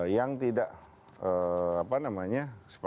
yang tidak apa namanya